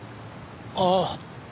ああ。